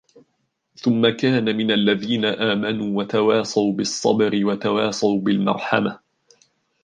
ثم كان من الذين آمنوا وتواصوا بالصبر وتواصوا بالمرحمة